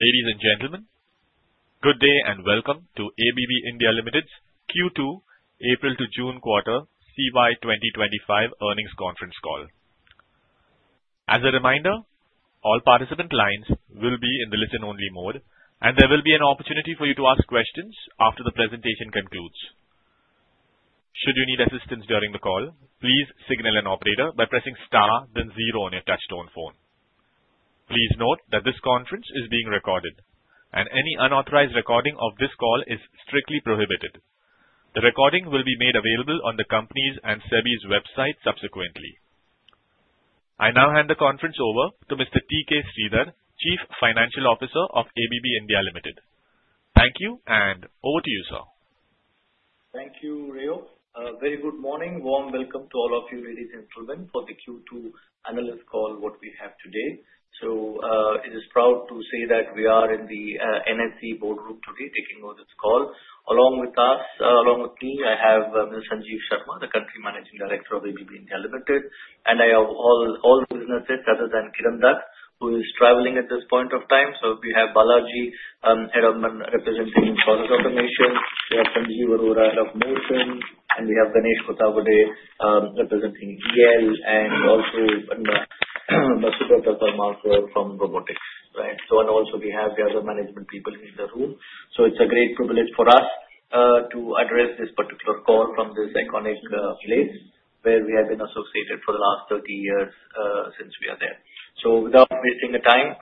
Ladies and gentlemen, good day and welcome to ABB India Limited's Q2 April to June Quarter CY 2025 earnings conference call. As a reminder, all participant lines will be in the listen-only mode, and there will be an opportunity for you to ask questions after the presentation concludes. Should you need assistance during the call, please signal an operator by pressing star then zero on your touchtone phone. Please note that this conference is being recorded, and any unauthorized recording of this call is strictly prohibited. The recording will be made available on the company's and SEBI's website subsequently. I now hand the conference over to Mr. T.K. Sridhar, Chief Financial Officer of ABB India Limited. Thank you and over to you, sir. Thank you, Rayo. Very good morning. Warm welcome to all of you, ladies and gentlemen, for the Q2 analyst call that we have today. I'm just proud to say that we are in the NSE boardroom today taking on this call. Along with me, I have Mr. Sanjeev Sharma, the Country Managing Director of ABB India Limited, and I have all businesses other than Kiran Dutt, who is traveling at this point of time. We have Balaji representing Process Automation. We have Sanjeev Arora of Motion, and we have Ganesh Kothawade representing Electrification, and also Mr. Subrata from Robotics. We also have the other management people in the room. It's a great privilege for us to address this particular call from this iconic place where we have been associated for the last 30 years, since we are there. Without wasting the time,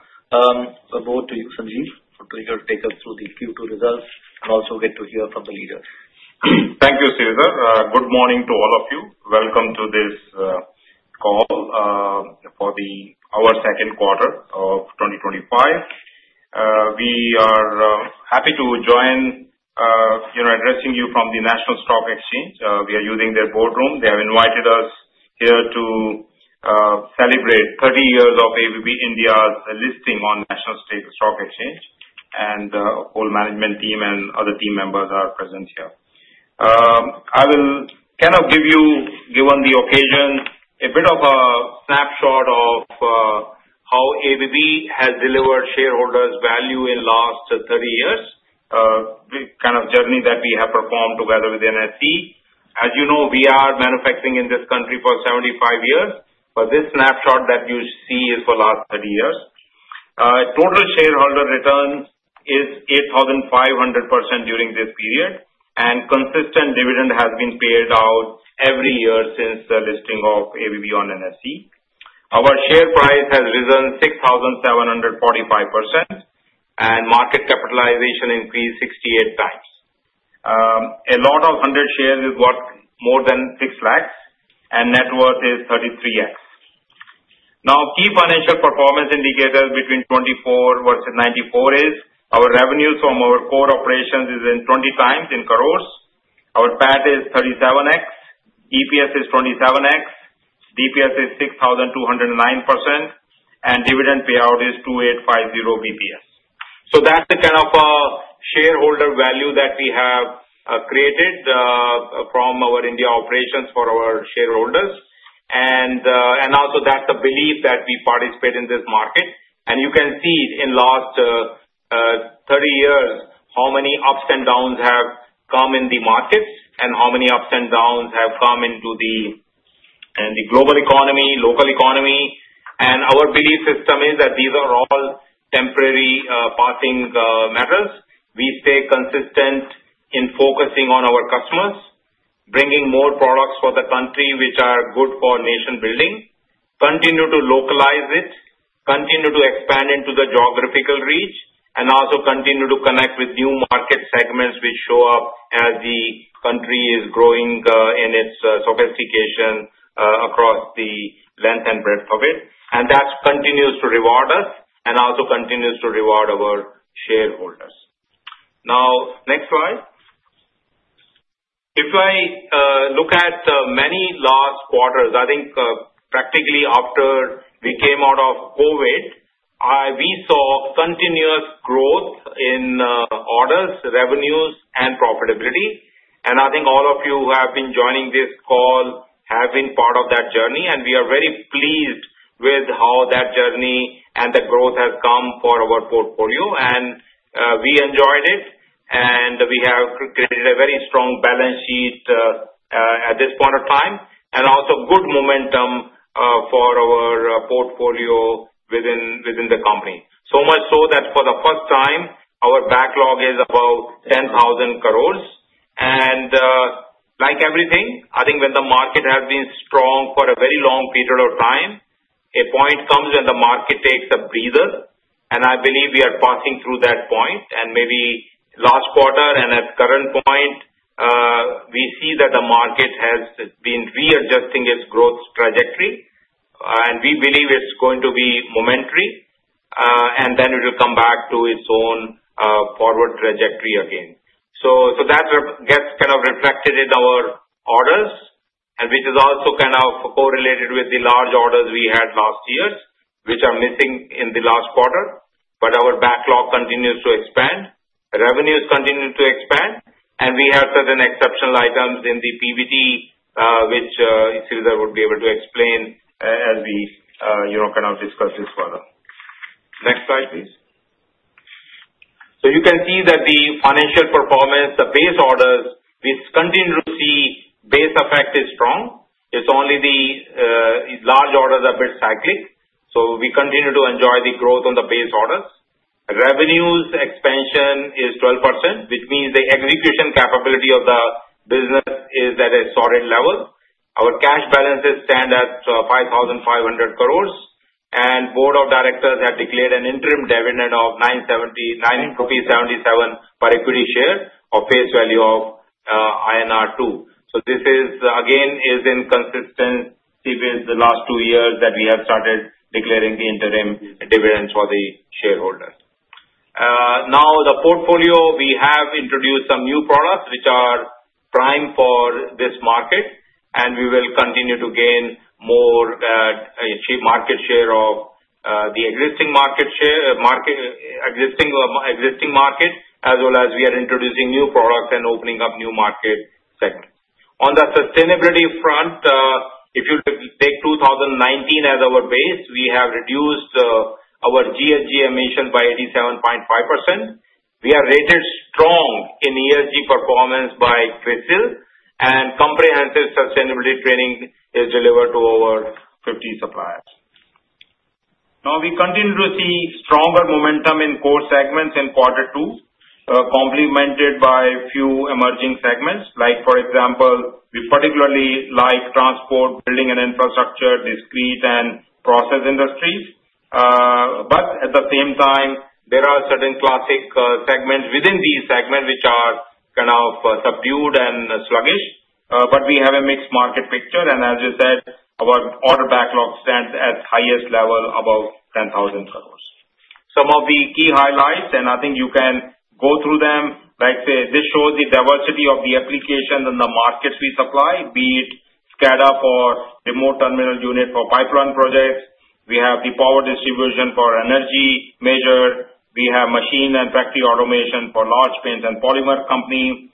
over to you, Sanjeev, to take us through the Q2 results and also get to hear from the leaders. Thank you, Sridhar. Good morning to all of you. Welcome to this call for our second quarter of 2025. We are happy to join, you know, addressing you from the National Stock Exchange. We are using their boardroom. They have invited us here to celebrate 30 years of ABB India Limited's listing on the National Stock Exchange, and the whole management team and other team members are present here. I will kind of give you, given the occasion, a bit of a snapshot of how ABB India Limited has delivered shareholder value in the last 30 years, a kind of journey that we have performed together with NSE. As you know, we are manufacturing in this country for 75 years, but this snapshot that you see is for the last 30 years. Total shareholder return is 8,500% during this period, and consistent dividend has been paid out every year since the listing of ABB India Limited on NSE. Our share price has risen 6,745%, and market capitalization increased 68 times. A lot of 100 shares is worth more than 6 lakh, and net worth is 33X. Now, key financial performance indicators between 2024 versus 1994 is our revenues from our core operations are in 20 times in crores. Our PAT is 37X, EPS is 27X, DPS is 6,209%, and dividend payout is 2,850 basis points. That's the kind of shareholder value that we have created from our India operations for our shareholders. That also is the belief that we participate in this market. You can see in the last 30 years how many ups and downs have come in the markets and how many ups and downs have come into the global economy, local economy. Our belief system is that these are all temporary, passing matters. We stay consistent in focusing on our customers, bringing more products for the country, which are good for nation-building, continue to localize it, continue to expand into the geographical reach, and also continue to connect with new market segments which show up as the country is growing in its sophistication, across the length and breadth of it. That continues to reward us and also continues to reward our shareholders. Next slide. If I look at the many last quarters, I think practically after we came out of COVID, we saw continuous growth in orders, revenues, and profitability. I think all of you who have been joining this call have been part of that journey, and we are very pleased with how that journey and the growth has come for our portfolio. We enjoy this, and we have created a very strong balance sheet at this point of time, and also good momentum for our portfolio within the company. So much so that for the first time, our backlog is about 10,000 crore. When the market has been strong for a very long period of time, a point comes when the market takes a breather. I believe we are passing through that point. Maybe last quarter and at the current point, we see that the market has been readjusting its growth trajectory. We believe it's going to be momentary, and then it will come back to its own forward trajectory again. That gets kind of reflected in our orders, which is also kind of correlated with the large orders we had last year, which are missing in the last quarter. Our backlog continues to expand, revenues continue to expand, and we have certain exceptional items in the PBT, which T.K. Sridhar would be able to explain as we discuss this further. Next slide, please. You can see that the financial performance, the base orders, we continue to see base effect is strong. It's only the large orders are a bit cyclic. We continue to enjoy the growth on the base orders. Revenues expansion is 12%, which means the execution capability of the business is at a solid level. Our cash balances stand at 5,500 crore, and the Board of Directors has declared an interim dividend of 9.77 per equity share of face value INR 2. This is again in consistent season the last two years that we have started declaring the interim dividends for the shareholders. Now, the portfolio, we have introduced some new products which are prime for this market, and we will continue to gain more market share of the existing market, as well as we are introducing new products and opening up new market segments. On the sustainability front, if you take 2019 as our base, we have reduced our GHG emissions by 87.5%. We are rated strong in ESG performance by CRISIL, and comprehensive sustainability training is delivered to over 50 suppliers. We continue to see stronger momentum in core segments in quarter two, complemented by a few emerging segments, like for example, we particularly like transport, building and infrastructure, discrete, and process industries. At the same time, there are certain classic segments within these segments which are kind of subdued and sluggish. We have a mixed market picture, and as you said, our order backlog stands at the highest level above 10,000 crore. Some of the key highlights, and I think you can go through them, like I say, this shows the diversity of the applications and the markets we supply, be it SCADA for remote terminal unit for pipeline projects. We have the power distribution for energy major. We have machine and factory automation for large paints and polymer companies,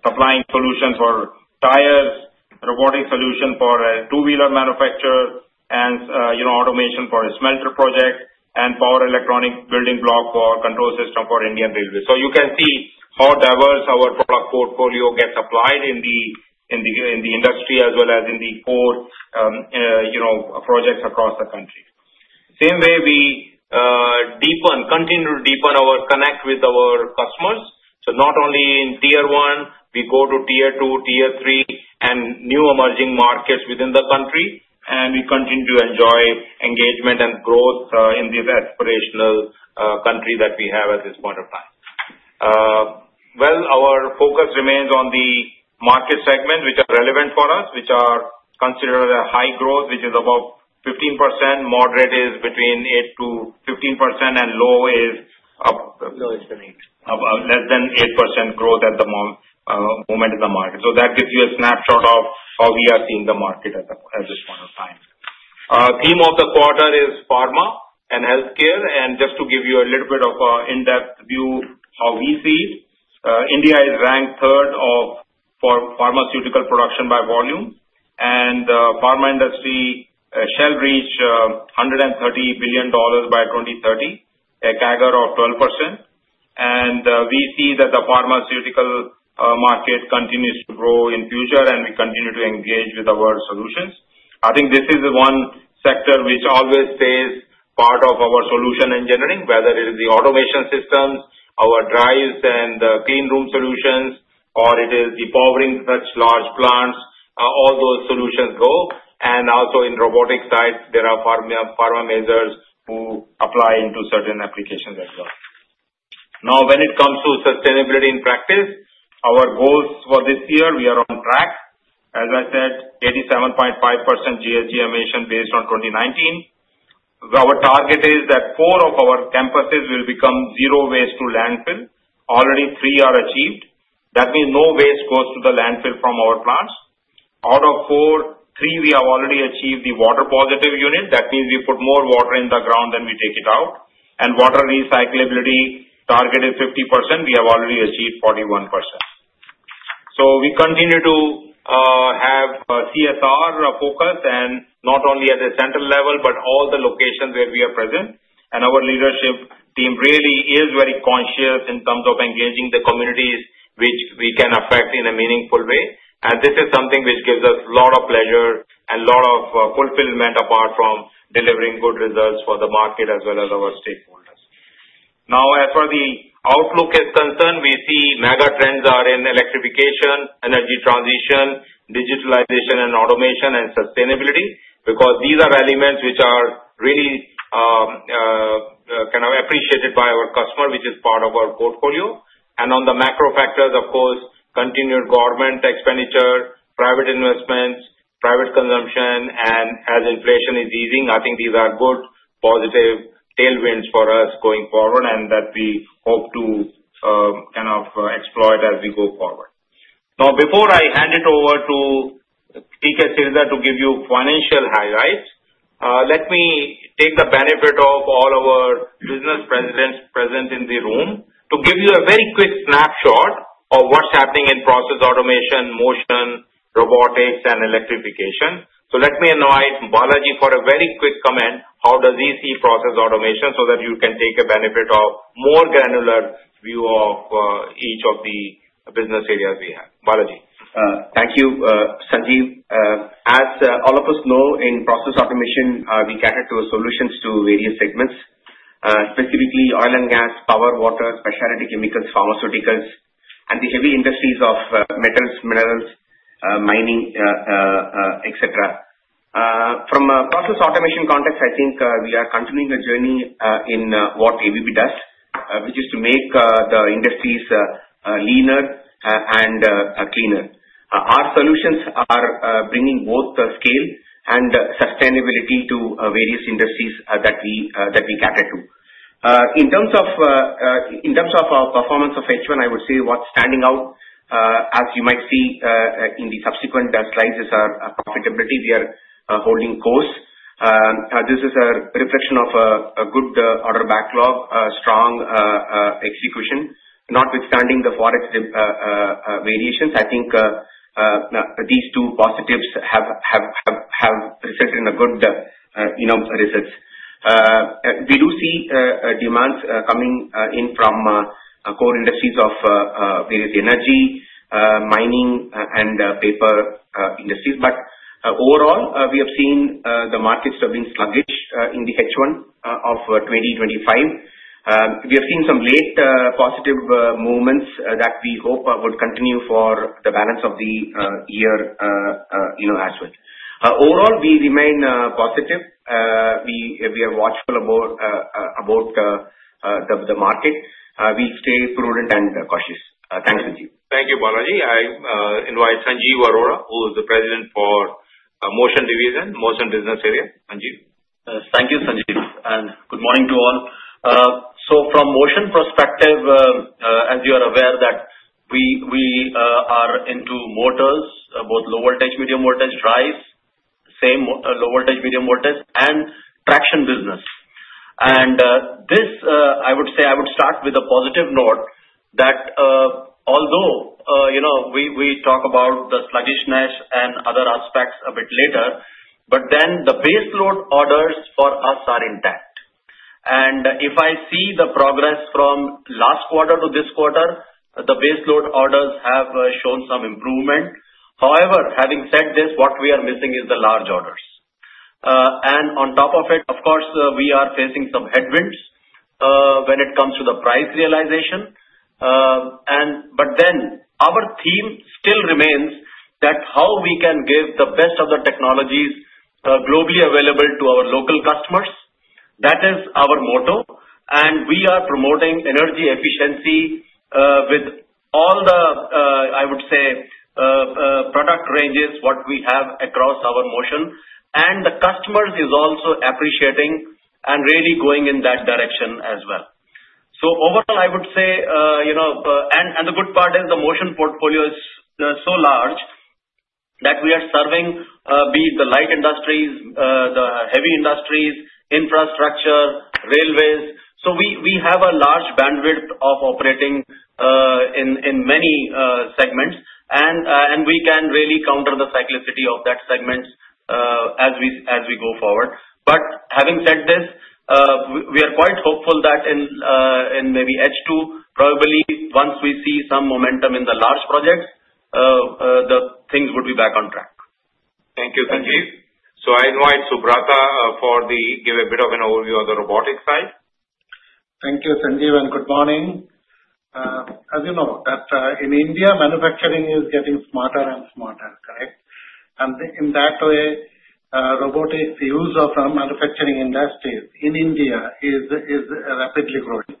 supplying solutions for tires, robotic solutions for a two-wheeler manufacturer, automation for a smelter project, and for electronic building block for control system for India business. You can see how diverse our product portfolio gets applied in the industry as well as in the core projects across the country. The same way, we continue to deepen our connect with our customers. Not only in tier 1, we go to tier 2, tier 3, and new emerging markets within the country, and we continue to enjoy engagement and growth in this aspirational country that we have at this point of time. Our focus remains on the market segment which is relevant for us, which are considered a high growth, which is about 15%. Moderate is between 8%-15%, and low is the need of less than 8% growth at the moment in the market. That gives you a snapshot of how we are seeing the market at this point of time. The theme of the quarter is pharma and healthcare, and just to give you a little bit of an in-depth view of how we see, India is ranked third for pharmaceutical production by volume, and the pharma industry shall reach $130 billion by 2030, a CAGR of 12%. We see that the pharmaceutical market continues to grow in the future, and we continue to engage with our solutions. I think this is the one sector which always stays part of our solution engineering, whether it is the automation systems, our drives and clean room solutions, or it is the powering such large plants, all those solutions go. Also in robotics side, there are pharma majors who apply into certain applications as well. When it comes to sustainability in practice, our goals for this year, we are on track. As I said, 87.5% GHG emission based on 2019. Our target is that four of our campuses will become zero waste to landfill. Already three are achieved. That means no waste goes to the landfill from our plants. Out of four, three, we have already achieved the water positive unit. That means we put more water in the ground than we take out. Water recyclability target is 50%. We have already achieved 41%. We continue to have a CSR focus, not only at the central level, but at all the locations where we are present. Our leadership team really is very conscious in terms of engaging the communities which we can affect in a meaningful way. This is something which gives us a lot of pleasure and a lot of fulfillment apart from delivering good results for the market as well as our stakeholders. As far as the outlook is concerned, we see mega trends in electrification, energy transition, digitalization, automation, and sustainability, because these are elements which are really appreciated by our customers, which is part of our portfolio. On the macro factors, of course, continued government expenditure, private investments, private consumption, and as inflation is easing, I think these are good positive tailwinds for us going forward that we hope to exploit as we go forward. Before I hand it over to Sridhar to give you financial highlights, let me take the benefit of all of our business presidents present in the room to give you a very quick snapshot of what's happening in process automation, motion, robotics, and electrification. Let me invite Balaji for a very quick comment on how he sees process automation so that you can take a benefit of a more granular view of each of the business areas we have. Balaji. Thank you, Sanjeev. As all of us know, in process automation, we cater to solutions to various segments, specifically oil and gas, power, water, specialty chemicals, pharmaceuticals, and the heavy industries of metals, minerals, mining, etc. From a process automation context, I think we are continuing a journey in what ABB does, which is to make the industries leaner and cleaner. Our solutions are bringing both scale and sustainability to various industries that we cater to. In terms of our performance of H1, I would say what's standing out, as you might see, in the subsequent best prices, are profitability. We are holding course. This is a reflection of a good order backlog, strong execution, notwithstanding the FOREX variations. I think these two positives have reflected in good results. We do see demands coming in from core industries of various energy, mining, and paper industries. Overall, we have seen the markets have been sluggish in the H1 of 2025. We have seen some late positive movements that we hope will continue for the balance of the year as well. Overall, we remain positive. We are watchful about the market. We stay prudent and cautious. Thanks, Sanjeev. Thank you, Balaji. I invite Sanjeev Arora, who is the Business Head for Motion, Motion Business Area. Sanjeev? Thank you, Sanjeev. Good morning to all. From Motion perspective, as you are aware that we are into motors, both low voltage, medium voltage drives, same low voltage, medium voltage, and traction business. I would say I would start with a positive note that, although we talk about the sluggishness and other aspects a bit later, the baseload orders for us are intact. If I see the progress from last quarter to this quarter, the baseload orders have shown some improvement. However, having said this, what we are missing is the large orders. On top of it, of course, we are facing some headwinds when it comes to the price realization. Our theme still remains that how we can give the best of the technologies, globally available to our local customers. That is our motto. We are promoting energy efficiency with all the product ranges we have across our Motion. The customers are also appreciating and really going in that direction as well. Overall, I would say, the good part is the Motion portfolio is so large that we are serving, be it the light industries, the heavy industries, infrastructure, railways. We have a large bandwidth of operating in many segments. We can really counter the cyclicity of that segment as we go forward. Having said this, we are quite hopeful that in maybe H2, probably once we see some momentum in the large projects, the things would be back on track. Thank you, Sanjeev. I invite Subrata to give a bit of an overview of the robotics side. Thank you, Sanjeev, and good morning. As you know, in India, manufacturing is getting smarter and smarter, right? In that way, robotics use in manufacturing industries in India is rapidly growing.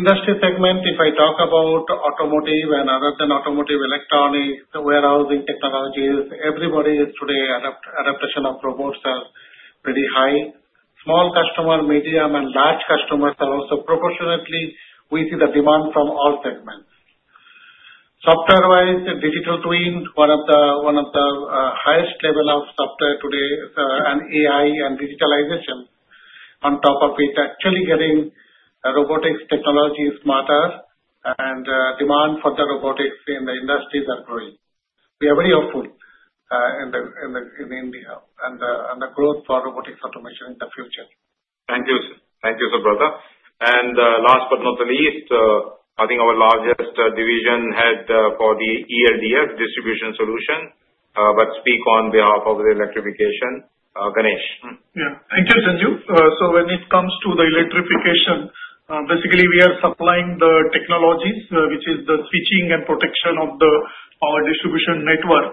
Industry segment, if I talk about automotive and other than automotive, electronics, the warehousing technologies, everybody is today, adaptation of robots is very high. Small, medium, and large customers are also proportionately, we see the demand from all segments. Software-wise, the digital twin, one of the highest levels of software today, and AI and digitalization on top of it, actually getting robotics technology smarter, and demand for robotics in the industries is growing. We are very hopeful in India and the growth for robotics automation in the future. Thank you, sir. Thank you, Subrata. Last but not the least, I think our largest division head for the ELDF Distribution Solutions will speak on behalf of the Electrification, Ganesh. Yeah, thank you, Sanjeev. When it comes to electrification, basically, we are supplying the technologies, which is the switching and protection of the power distribution network.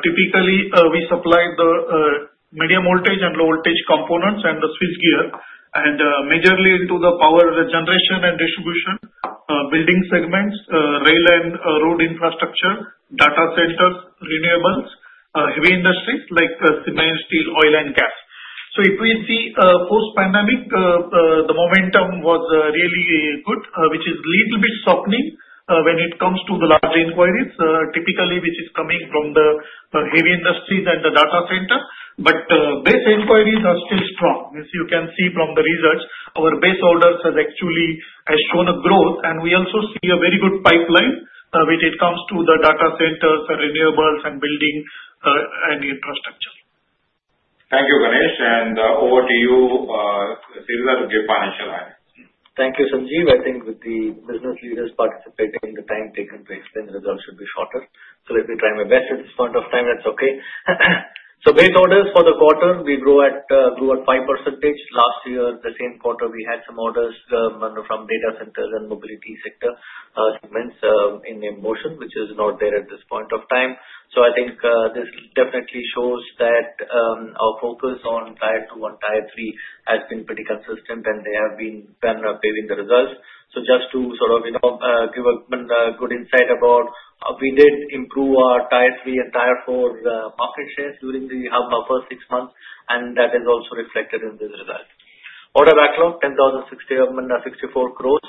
Typically, we supply the medium voltage and low voltage components and the switchgear, and majorly into the power generation and distribution building segments, rail and road infrastructure, data centers, renewables, heavy industries like cement, steel, oil, and gas. If we see post-pandemic, the momentum was really good, which is a little bit softening when it comes to the large inquiries, typically which is coming from the heavy industries and the data center. Base inquiries are still strong. As you can see from the results, our base orders have actually shown a growth, and we also see a very good pipeline when it comes to the data centers, renewables, and building and infrastructure. Thank you, Ganesh. Over to you, Sridhar. Thank you, Sanjeev. I think with the business leaders participating, the time taken to explain the results would be shorter. Let me try my best at this point of time. That's okay. Base orders for the quarter, we grew at 5% last year. The same quarter, we had some orders from data centers and mobility sector, cements in motion, which is not there at this point of time. I think this definitely shows that our focus on tier 2 and tier 3 has been pretty consistent, and they have been paving the results. Just to sort of, you know, give a good insight about, we did improve our tier 3 and tier 4 market shares during the first six months, and that is also reflected in this result. Order backlog, 10,064 crore,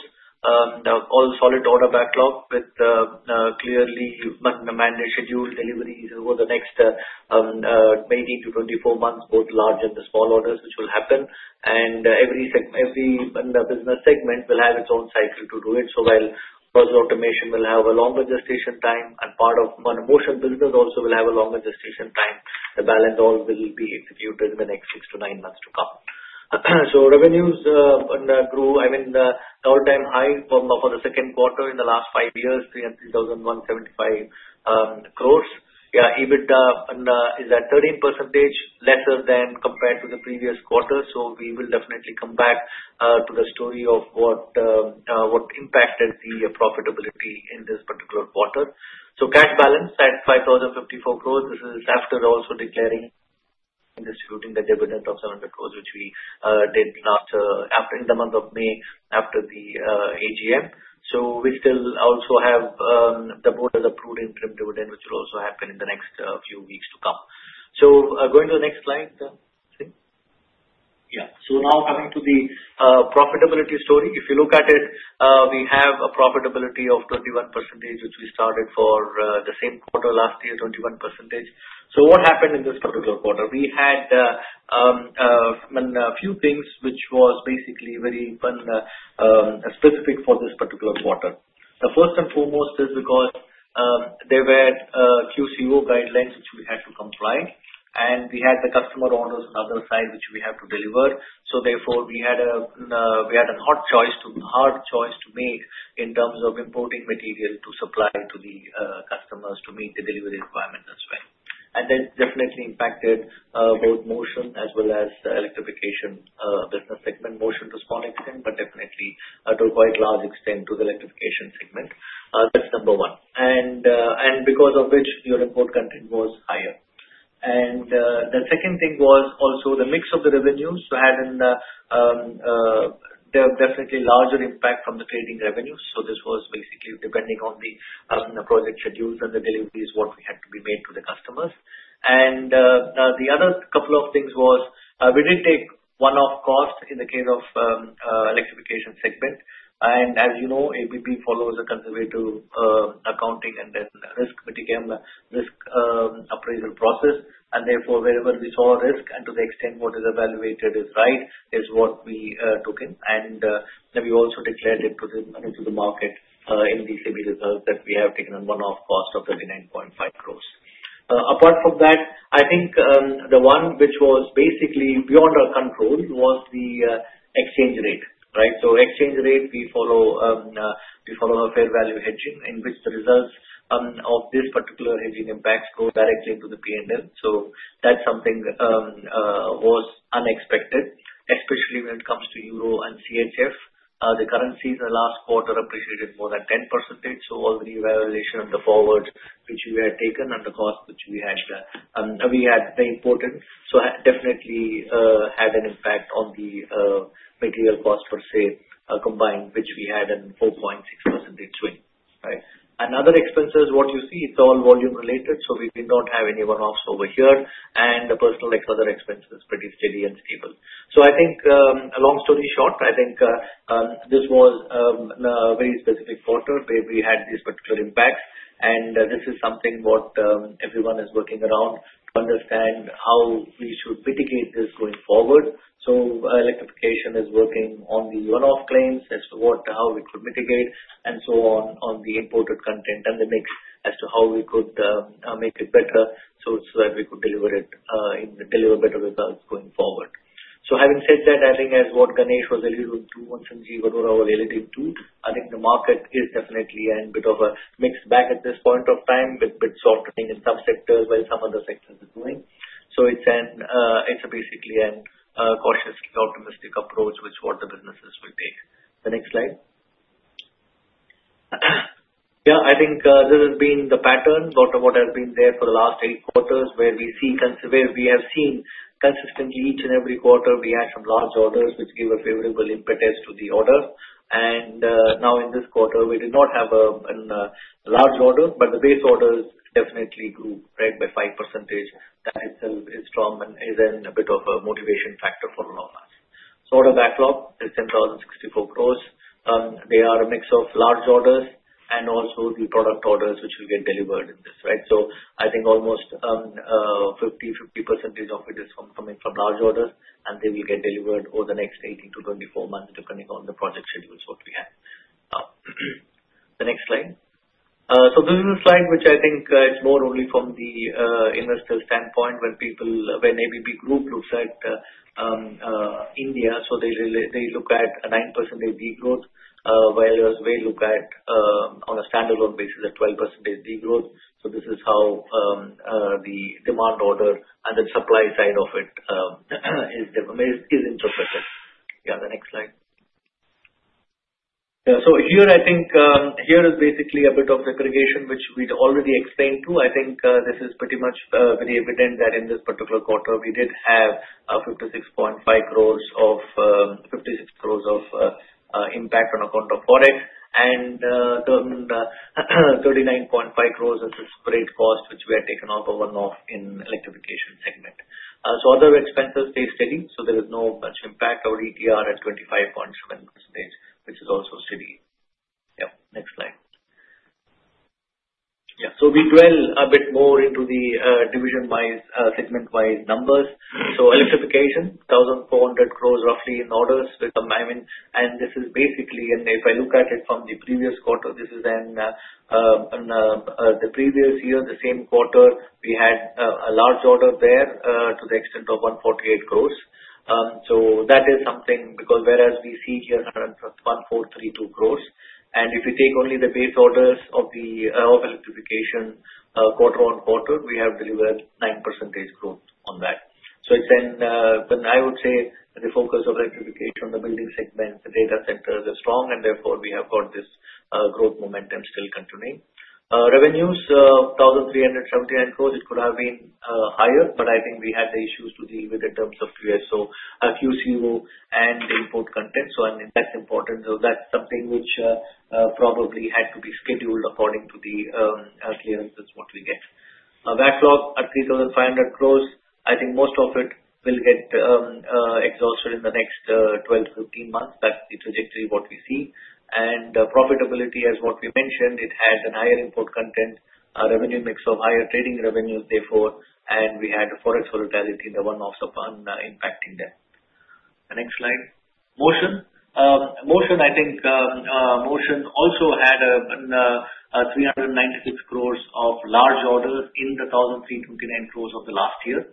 all solid order backlog with clearly managed scheduled deliveries over the next 18-24 months, both large and small orders, which will happen. Every business segment will have its own cycle to do it. While process automation will have a longer gestation time, and part of motion business also will have a longer gestation time, the balance all will be executed in the next 6-9 months to come. Revenues grow, I mean, the overtime high for the second quarter in the last five years, 3,175 crore. EBITDA is at 13% lesser than compared to the previous quarter. We will definitely come back to the story of what impacted the profitability in this particular quarter. Cash balance at 5,054 crore, this is after also declaring and distributing the dividend of 700 crore, which we did last after the month of May, after the AGM. We still also have the board has approved interim dividend, which will also happen in the next few weeks to come. Going to the next slide, I think. Yeah. Now coming to the profitability story, if you look at it, we have a profitability of 21%, which we started for the same quarter last year, 21%. What happened in this particular quarter? We had a few things, which was basically very specific for this particular quarter. The first and foremost is because there were QCO guidelines, which we had to comply. We had the customer orders on the other side, which we have to deliver. Therefore, we had a hard choice to make in terms of importing material to supply to the customers to meet the delivery requirements as well. This definitely impacted both motion as well as electrification business segment. Motion to a small extent, but definitely to a quite large extent to the electrification segment. That's number one. Because of which your import content was higher. The second thing was also the mix of the revenues. As in definitely larger impact from the trading revenues. This was basically depending on the project schedules and the deliveries, what we had to be made to the customers. The other couple of things was we didn't take one-off costs in the case of electrification segment. As you know, ABB follows a conservative accounting and then risk mitigation risk appraisal process. Therefore, wherever we saw a risk and to the extent what is evaluated is right, is what we took in. We also declared it to the market in the CB results that we have taken a one-off cost of 39.5 crore. Apart from that, I think the one which was basically beyond our control was the exchange rate, right? Exchange rate, we follow our fair value hedging, in which the results of this particular hedging impacts go directly into the P&L. That's something that was unexpected, especially when it comes to euro and CHF. The currencies in the last quarter appreciated more than 10%. All the evaluation of the forward, which we had taken at the cost, which we had that we had the importance. Definitely had an impact on the material cost per se combined, which we had a 4.6% rate. Another expense is what you see. It's all volume-related. We did not have any one-offs over here. The personal expense is pretty steady and stable. I think a long story short, I think this was a very specific quarter where we had these particular impacts. This is something what everyone is working around to understand how we should mitigate this going forward. Electrification is working on the one-off claims as to what how we could mitigate and so on on the imported content and the mix as to how we could make it better so that we could deliver it in the better results going forward. Having said that, I think as what Ganesh was alluding to, what Sanjeev Arora was alluding to, I think the market is definitely a bit of a mixed bag at this point of time, a bit softer thing in some sectors where some other sectors are doing. It's a basically a cautiously optimistic approach which what the businesses will take. The next slide. Yeah, I think this has been the pattern, what has been there for the last eight quarters where we see, where we have seen consistently each and every quarter we had some large orders which give a favorable impetus to the order. Now in this quarter, we did not have a large order, but the base order definitely grew by 5%. It's still very strong and is a bit of a motivation factor for a lot of us. Order backlog is 10,064 crores. They are a mix of large orders and also the product orders which we can deliver in this, right? I think almost a 50:50 percentage of it is coming from large orders and they will get delivered over the next 18 to 24 months depending on the project schedules we have. The next slide. This is a slide which I think is more only from the investor standpoint when ABB Group looks at India. They look at a 9% degrowth, whereas they look at on a standalone basis at 12% degrowth. This is how the demand order and the supply side of it is interpreted. Yeah, the next slide. Here is basically a bit of aggregation which we already explained too. I think this is pretty much very evident that in this particular quarter we did have 56.5 crores or 56 crores of impact on a quarter of FOREX and 39.5 crores of the sprayed cost which we had taken out of one-off in electrification segment. Other expenses stayed steady. There is no impact or ETR at 25.7%, which is also steady. Yeah, next slide. We dwell a bit more into the division-wise, segment-wise numbers. Electrification, 1,400 crores roughly in orders with. I mean, and this is basically in, if I look at it from the previous quarter, this is in the previous year, the same quarter, we had a large order there to the extent of 148 crores. That is something because whereas we see here 1,432 crores. If you take only the base orders of the electrification quarter on quarter, we have delivered 9% growth on that. It's in, I would say, the focus of electrification on the building segment, the data centers are strong, and therefore we have got this growth momentum still continuing. Revenues, 1,379 crores, it could have been higher, but I think we had the issues to deal with in terms of QCO and the import content. I think that's important. That's something which probably had to be scheduled according to the clearance of what we get. Backlog at 3,500 crores, I think most of it will get exhausted in the next 12-15 months. That's the trajectory of what we see. Profitability, as we mentioned, has a higher import content, a revenue mix of higher trading revenues, therefore, and we had a FOREX solidarity in the one-offs impacting them. The next slide. Motion. Motion also had 396 crore of large orders in the 1,329 crore of the last year.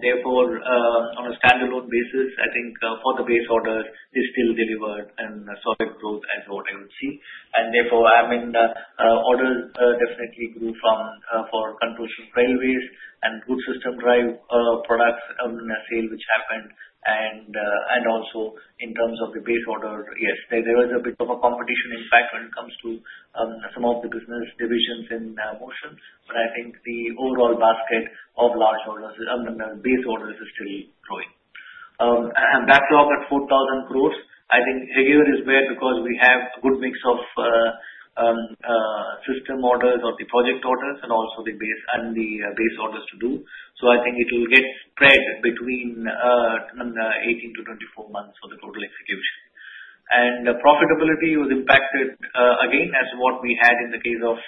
Therefore, on a standalone basis, for the base order, it's still delivered and solid growth as what I would see. Orders definitely grew for control system railways and good system drive products in a sale which happened. Also, in terms of the base order, yes, there was a bit of a competition impact when it comes to some of the business divisions in Motion. I think the overall basket of large orders and the base orders is still growing. Backlog at 4,000 crore, here is where because we have a good mix of system orders of the project orders and also the base and the base orders to do. I think it will get spread between 18-24 months for the total execution. Profitability was impacted again as to what we had in the case of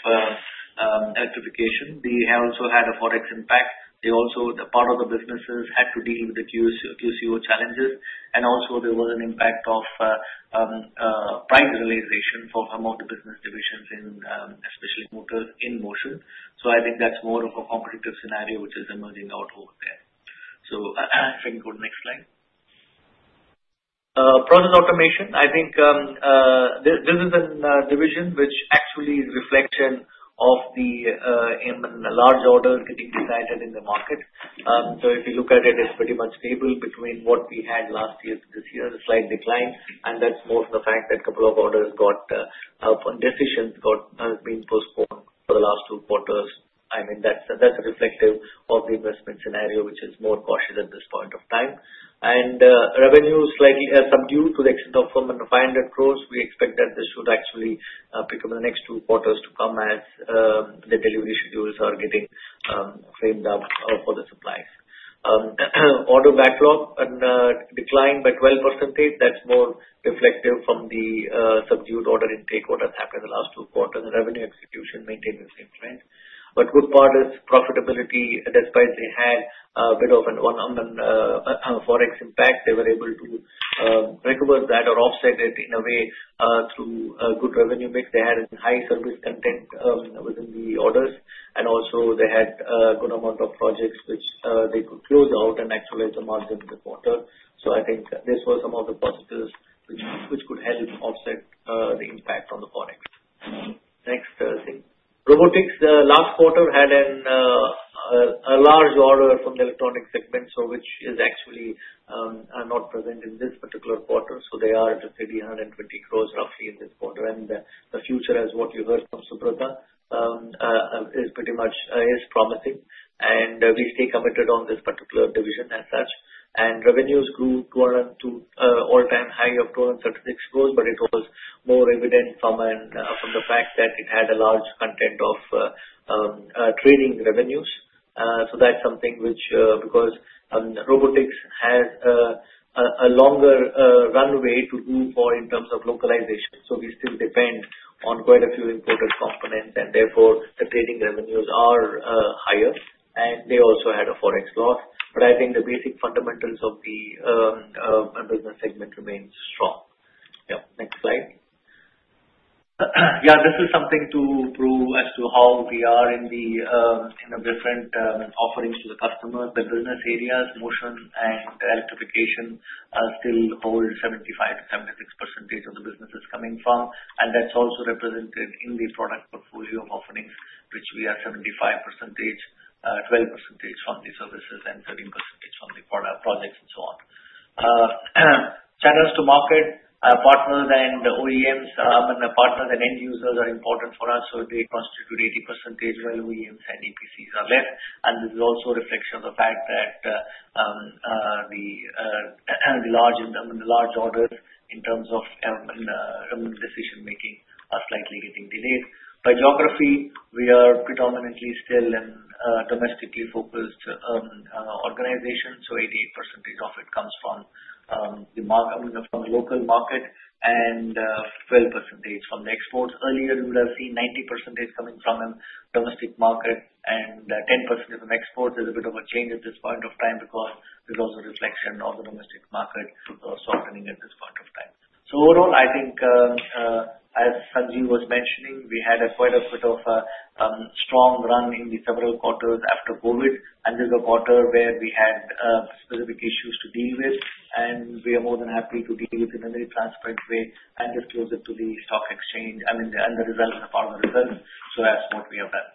Electrification. They also had a FOREX impact. Part of the businesses had to deal with the QCO challenges. There was an impact of price realization for some of the business divisions in, especially motors in Motion. I think that's more of a competitive scenario which is emerging out over there. Good, next slide. Process Automation, I think this is a division which actually is reflection of the large orders getting decided in the market. If you look at it, it's pretty much stable between what we had last year to this year. It's a slight decline. That's for the fact that a couple of orders from decisions has been for the last two quarters. That's a reflective of the investment scenario, which is more cautious at this point of time. Revenue slightly as subdued to the extent of 500 crore. We expect that this should actually become the next two quarters to come as the delivery schedules are getting framed up for the supplies. Order backlog and it's flying by 12%. That's more reflective from the subdued order intake orders happened in the last two quarters. The revenue execution maintained its influence. The good part is profitability, despite they had a bit of a FOREX impact, they were able to recover that or offset it in a way through a good revenue mix. They had a high service content within the orders, and also they had a good amount of projects which they could close out and accelerate the margin to the quarter. I think this was some of the positives which could help offset the impact from the FOREX. Next slide. Robotics, last quarter had a large order from the electronics segment, which is actually not present in this particular quarter. They are just 320 crore roughly in this quarter, and the future, as what you heard from Subrata, is pretty much promising. We stay committed on this particular division as such. Revenues grew to an all-time high of INR 276 crore, but it was more evident from the fact that it had a large content of trading revenues. That's something which, because robotics has a longer runway to do more in terms of localization, we still depend on quite a few integral components, and therefore the trading revenues are higher. They also had a FOREX loss. I think the basic fundamentals of the business segment remain strong. Next slide. This is something to prove as to how we are in the different offerings to the customer. The business areas, Motion and Electrification, still hold 75%-76% of the businesses coming from, and that's also represented in the product portfolio of offerings, which we are 75%, 12% from the services, and 13% from the product for license and so on. Channels to market, our partners and OEMs, and partners and end users are important for us. They constitute 80% where OEMs and EPCs are there. This is also a reflection of the fact that the large order in terms of decision-making are slightly getting delayed. By geography, we are predominantly still a domestically focused organization. 80% of it comes from the local market and 12% from the exports. Earlier, we would have seen 90% coming from the domestic market and 10% from exports. There's a bit of a change at this point of time because there's also a reflection of the domestic markets surrounding it at this point of time. Overall, I think, as Sanjeev was mentioning, we had quite a bit of a strong run in the several quarters after COVID and in the quarter where we had specific issues to deal with. We are more than happy to take you to the next aspect way and just give it to the exchange, I mean, and the results are part of the results. That's what we have done.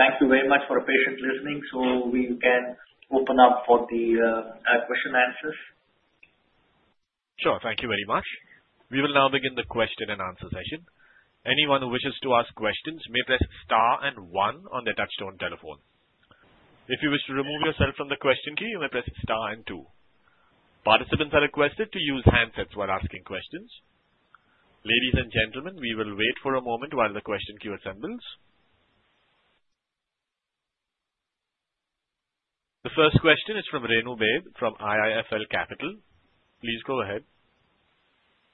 Thank you very much for patient listening. We can open up for the question-and-answer. Sure. Thank you very much. We will now begin the question-and-answer session. Anyone who wishes to ask questions may press star and one on their touchstone telephone. If you wish to remove yourself from the question queue, you may press star and two. Participants are requested to use handsets while asking questions. Ladies and gentlemen, we will wait for a moment while the question queue assembles. The first question is from Renu Baid from IIFL Capital. Please go ahead.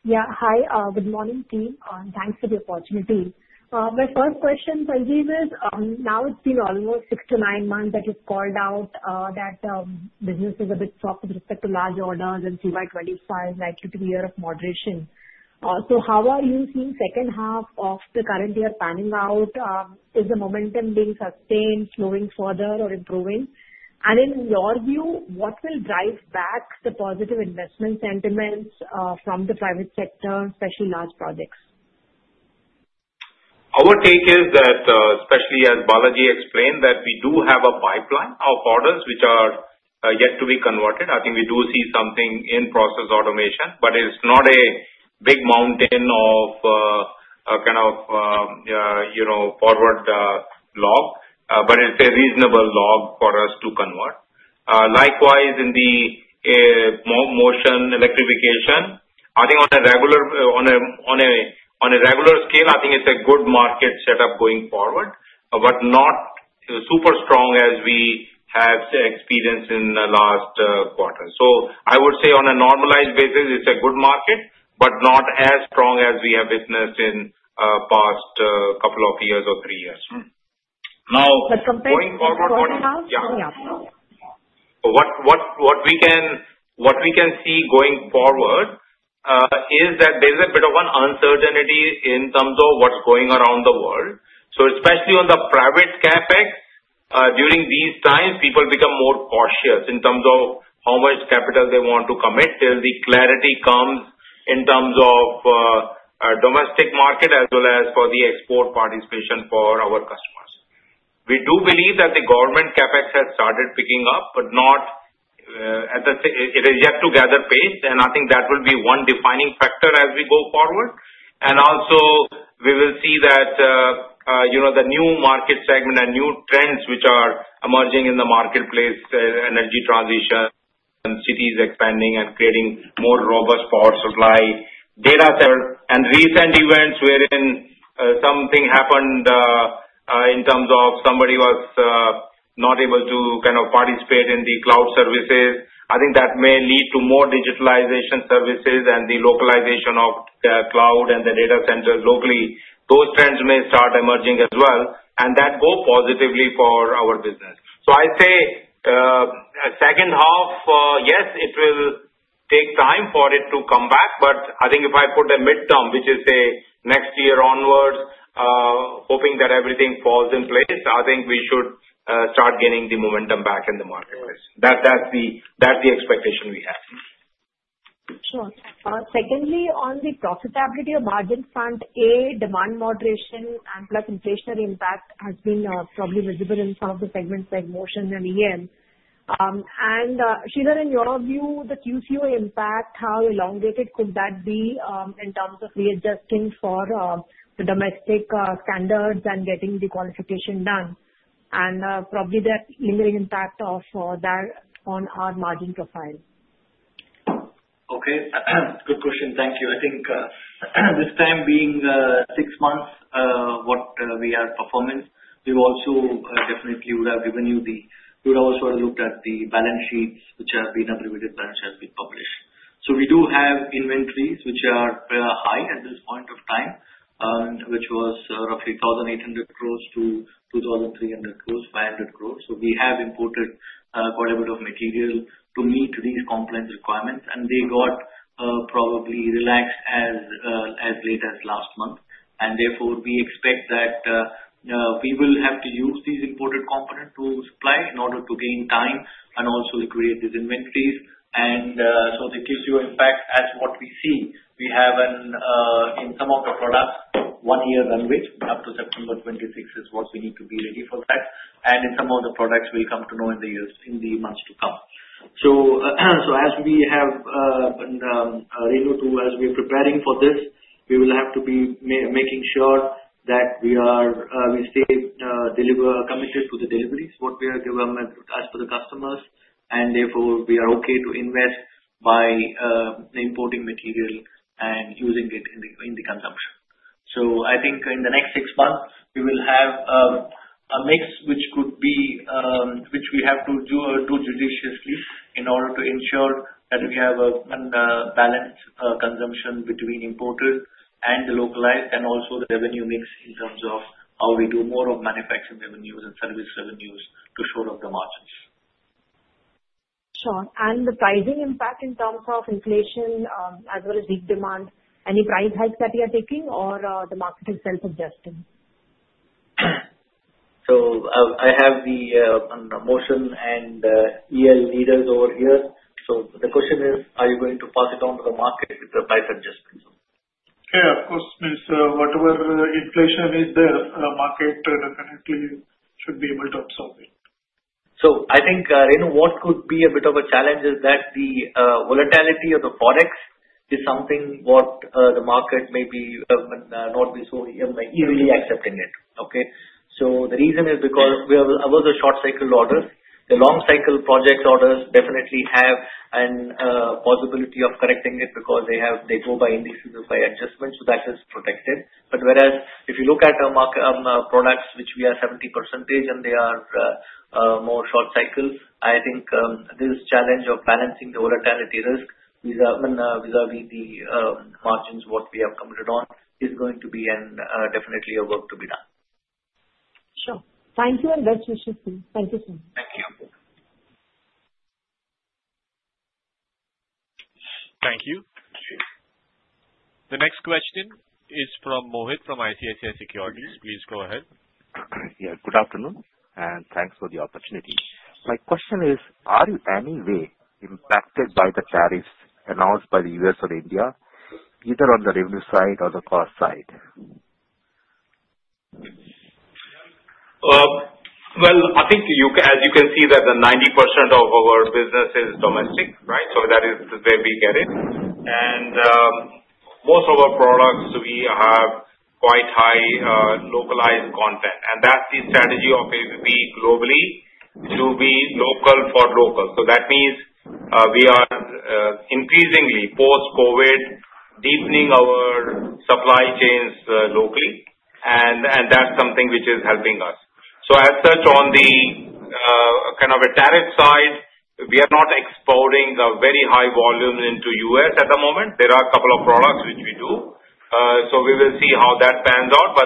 Yeah, hi. Good morning, team. Thanks for the opportunity. My first question, Sanjeev, is now it's been almost 6-9 months that you've called out that the business is a bit soft with respect to large orders and CY 2025 like 2-3 years of moderation. How are you seeing the second half of the current year panning out? Is the momentum being sustained, slowing further, or improving? In your view, what will drive back the positive investment sentiments from the private sector, especially large projects? Our take is that, especially as Balaji explained, we do have a pipeline of orders which are yet to be converted. I think we do see something in process automation, but it's not a big mountain of, you know, forward log, but it's a reasonable log for us to convert. Likewise, in the motion electrification, I think on a regular scale, it's a good market setup going forward, but not super strong as we have experienced in the last quarter. I would say on a normalized basis, it's a good market, but not as strong as we have witnessed in the past couple of years or three years. What we can see going forward is that there's a bit of an uncertainty in terms of what's going around the world. Especially on the private capex, during these times, people become more cautious in terms of how much capital they want to commit till the clarity comes in terms of domestic market as well as for the export participation for our customers. We do believe that the government capex has started picking up, but not at that it is yet to gather pace. I think that will be one defining factor as we go forward. We will see that the new market segment and new trends which are emerging in the marketplace, energy transition, cities expanding and creating more robust power supply, data centers, and recent events wherein something happened in terms of somebody was not able to kind of participate in the cloud services. I think that may lead to more digitalization services and the localization of the cloud and the data centers locally. Those trends may start emerging as well. That goes positively for our business. I'd say a second half, yes, it will take time for it to come back, but I think if I put a midterm, which is say next year onwards, hoping that everything falls in place, I think we should start gaining the momentum back in the marketplace. That's the expectation we have. Excellent. Secondly, on the profitability of margin funds, a demand moderation and plus inflationary impact has been probably visible in some of the segments like motion and EM. Sridhar, in your view, the QCO impact, how elongated could that be in terms of readjusting for the domestic standards and getting the qualification done? Probably the lingering impact of that on our margin profile. Okay. Good question. Thank you. I think this time being six months, what we are performance, we also definitely would have given you the you would also have looked at the balance sheets, which have been updated, which have been published. We do have inventories, which are high at this point of time, and which was roughly 1,800 crores-2,300 crores, 500 crores. We have imported quite a bit of material to meet these compliance requirements. They got probably relaxed as late as last month. Therefore, we expect that we will have to use these imported components to supply in order to gain time and also create these inventories. That gives you an impact as to what we see. We have in some of the products one-year runway. Up to September 2026 is what we need to be ready for that. In some other products, we'll come to know in the years in the months to come. As we have renewed to, as we're preparing for this, we will have to be making sure that we stay committed to the deliveries, what we are development as per the customers. Therefore, we are okay to invest by importing material and using it in the consumption. I think in the next six months, we will have a mix which could be, which we have to do judiciously in order to ensure that we have a balanced consumption between imported and the localized and also the revenue mix in terms of how we do more of manufacturing revenues and service revenues to shore up the margins. Sure. The pricing impact in terms of inflation as well as big demand, any price hikes that you are taking or the market itself adjusting? I have the Motion and Electrification leaders over here. The question is, are you going to pass it on to the market if the price adjustments? Yeah, of course, whatever inflation is there, the market definitely should be able to absorb it. I think, Renu, what could be a bit of a challenge is that the volatility of the products is something the market may not be so easily accepting. The reason is because we have short-cycle orders. The long-cycle projects orders definitely have a possibility of correcting it because they go by indices or by adjustments. That is protected. Whereas if you look at our products, which are 70% and they are more short cycles, I think this challenge of balancing the volatility risk vis-à-vis the margins we have committed on is going to be definitely a work to be done. Thank you and best wishes too. Thank you, sir. Thank you. The next question is from Mohit from ICICI Securities. Please go ahead. Good afternoon, and thanks for the opportunity. My question is, are you any way impacted by the tariffs announced by the U.S. or India, either on the revenue side or the cost side? I think you can, as you can see, that 90% of our business is domestic, right? That is where we get it. Most of our products, we have quite high localized content. That's the strategy of ABB globally to be local for local. That means we are increasingly post-COVID deepening our supply chains locally. That's something which is helping us. As such, on the kind of a tariff side, we are not exporting a very high volume into the U.S. at the moment. There are a couple of products which we do. We will see how that pans out.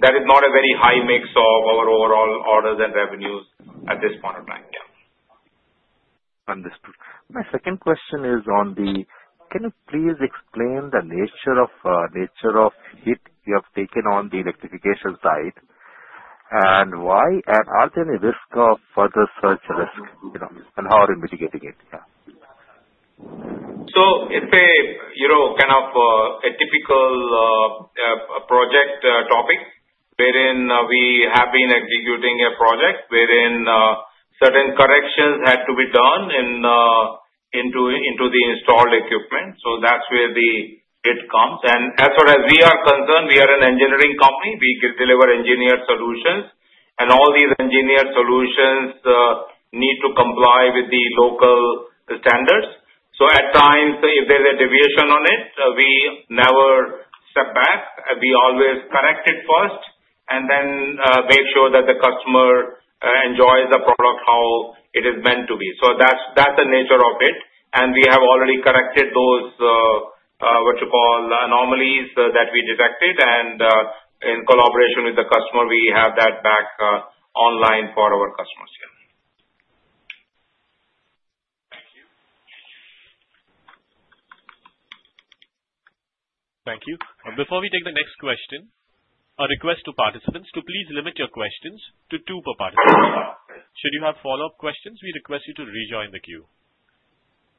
That is not a very high mix of our overall orders and revenues at this point of time. Yeah. Understood. My second question is, can you please explain the nature of hit you have taken on the electrification side? Why? Are there any risks of further surge? How are you mitigating it? It is a kind of a typical project topic wherein we have been executing a project wherein certain corrections had to be done into the installed equipment. That is where the hit comes. As far as we are concerned, we are an engineering company. We can deliver engineered solutions, and all these engineered solutions need to comply with the local standards. At times, if there's a deviation on it, we never step back. We always correct it first and then make sure that the customer enjoys the product how it is meant to be. That is the nature of it. We have already corrected those, what you call, anomalies that we detected. In collaboration with the customer, we have that back online for our customers. Thank you. Before we take the next question, I request participants to please limit your questions to two per participant. Should you have follow-up questions, we request you to rejoin the queue.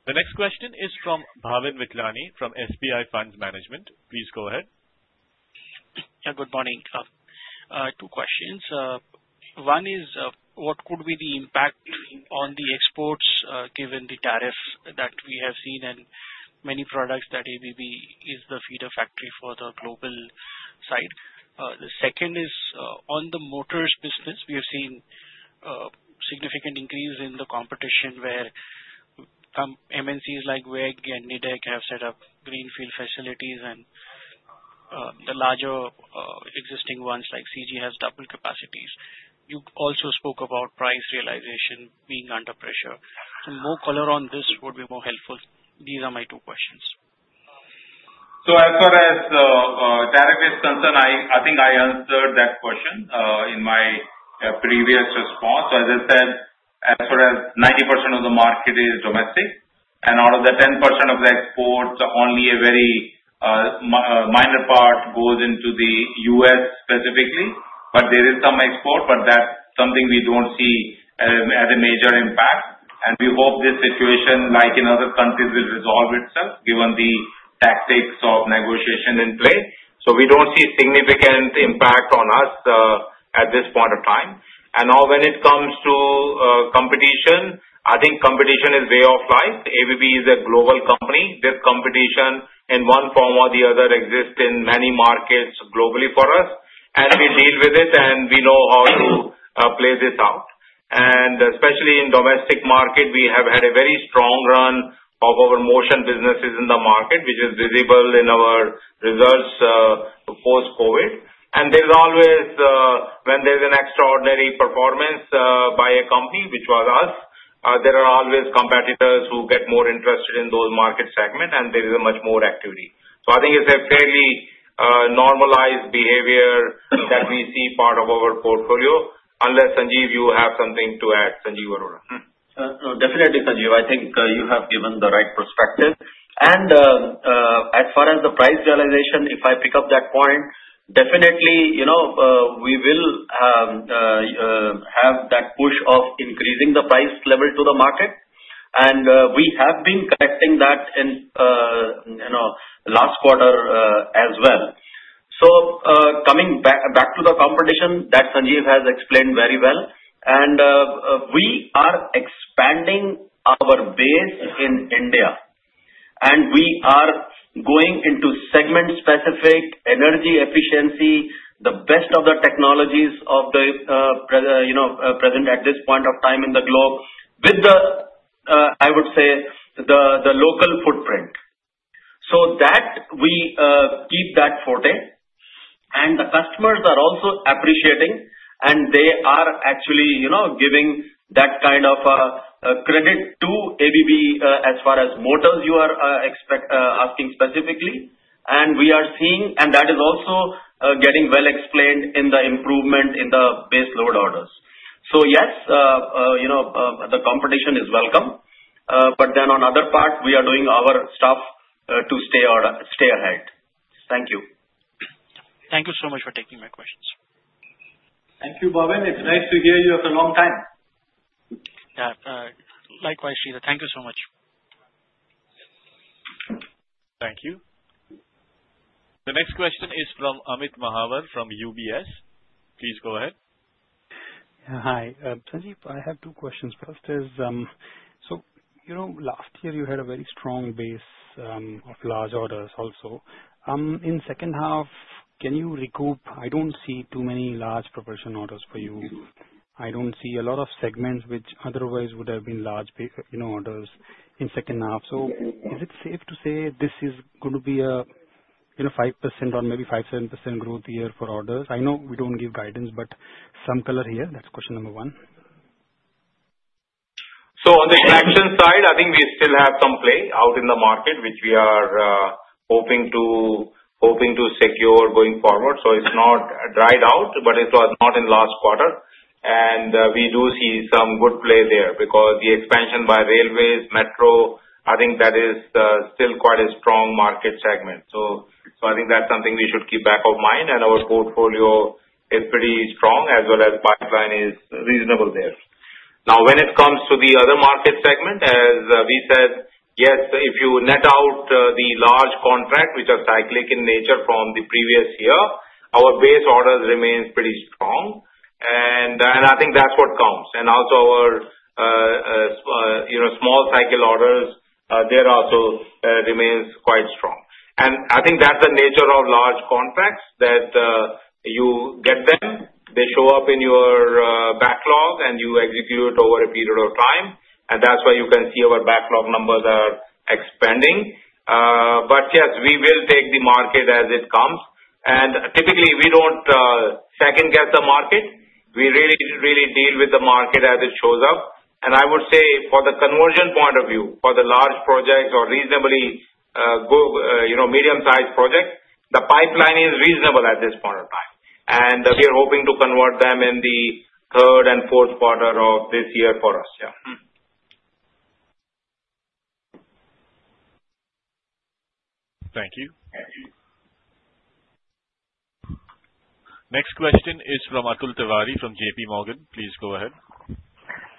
The next question is from Bhavin Vithlani from SBI Funds Management. Please go ahead. Yeah, good morning. Two questions. One is, what could be the impact on the exports given the tariff that we have seen and many products that ABB is the feeder factory for the global side? The second is, on the motors business, we have seen a significant increase in the competition where MNCs like WEG and Nidec have set up greenfield facilities and the larger existing ones like CG have doubled capacities. You also spoke about price realization being under pressure. Some more color on this would be more helpful. These are my two questions. As far as the tariff is concerned, I think I answered that question in my previous response. As I said, as far as 90% of the market is domestic, and out of the 10% of the exports, only a very minor part goes into the U.S. specifically. There is some export, but that's something we don't see as a major impact. We hope this situation, like in other countries, will resolve itself given the tactics of negotiation in place. We don't see significant impact on us at this point of time. When it comes to competition, I think competition is a way of life. ABB is a global company. This competition in one form or the other exists in many markets globally for us. We deal with it and we know how it plays out. Especially in the domestic market, we have had a very strong run of our motion businesses in the market, which is visible in our results post-COVID. There's always, when there's an extraordinary performance by a company, which was us, there are always competitors who get more interested in those market segments, and there is much more activity. I think it's a fairly normalized behavior that we see as part of our portfolio. Unless, Sanjeev, you have something to add? Sanjeev Arora. No, definitely, Sanjeev. I think you have given the right perspective. As far as the price realization, if I pick up that point, definitely, we will have that push of increasing the price level to the market. We have been connecting that in the last quarter as well. Coming back to the competition that Sanjeev has explained very well, we are expanding our base in India. We are going into segment-specific energy efficiency, the best of the technologies present at this point of time in the globe, with the, I would say, the local footprint so that we keep that forte. The customers are also appreciating, and they are actually giving that kind of a credit to ABB India as far as motors you are asking specifically. We are seeing, and that is also getting well explained in the improvement in the base load orders. Yes, the competition is welcome. On the other part, we are doing our stuff to stay ahead. Thank you. Thank you so much for taking my questions. Thank you, Bhavin. It's great to hear you after a long time. Likewise, Sridhar. Thank you so much. Thank you. The next question is from Amit Mahawar from UBS. Please go ahead. Hi. Sanjeev, I have two questions. First is, you know, last year you had a very strong base of large orders also. In the second half, can you recoup? I don't see too many large proportion orders for you. I don't see a lot of segments which otherwise would have been large orders in the second half. Is it safe to say this is going to be a 5% or maybe 5-7% growth year for orders? I know we don't give guidance, but some color here. That's question number one. On the expansion side, I think we still have some play out in the market, which we are hoping to secure going forward. It is not dried out, but it was not in the last quarter. We do see some good play there because the expansion by railways, metro, I think that is still quite a strong market segment. I think that's something we should keep back of mind. Our portfolio is pretty strong as well as the pipeline is reasonable there. When it comes to the other market segment, as we said, yes, if you net out the large contracts, which are cyclic in nature from the previous year, our base orders remain pretty strong. I think that's what counts. Also, our small cycle orders remain quite strong. I think that's the nature of large contracts that you get them. They show up in your backlog and you execute over a period of time. That is why you can see our backlog numbers are expanding. We will take the market as it comes. Typically, we don't second guess the market. We really deal with the market as it shows up. I would say for the conversion point of view, for the large projects or reasonably medium-sized projects, the pipeline is reasonable at this point of time. We are hoping to convert them in the third and fourth quarter of this year for us. Yeah. Thank you. Next question is from Atul Tiwari from JPMorgan. Please go ahead.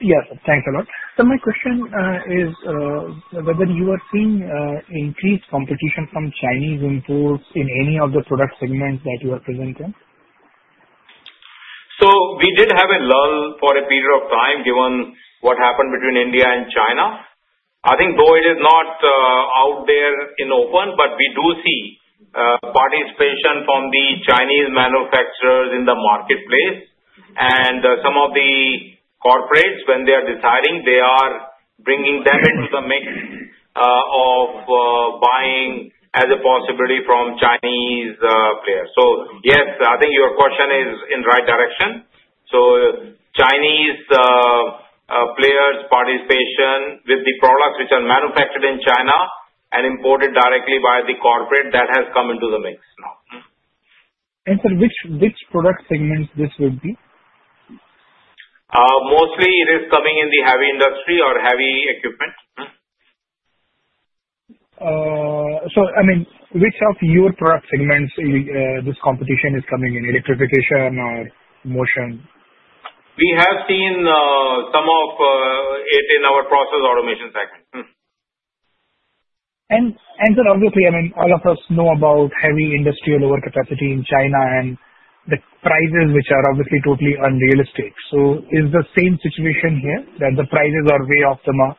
Yes, thanks a lot. My question is whether you are seeing increased competition from Chinese imports in any of the product segments that you are presenting? We did have a lull for a period of time given what happened between India and China. I think though it is not out there in the open, we do see participation from the Chinese manufacturers in the marketplace. Some of the corporates, when they are deciding, are bringing them into the mix of buying as a possibility from Chinese players. I think your question is in the right direction. Chinese players' participation with the products which are manufactured in China and imported directly by the corporate has come into the mix now. Which product segments would this be? Mostly it is coming in the heavy industry or heavy equipment. Which of your product segments in this competition is coming in, electrification or motion? We have seen some of it in our process automation segment. Sir, obviously, I mean, all of us know about heavy industrial overcapacity in China and the prices, which are obviously totally unrealistic. Is the same situation here that the prices are way off the mark?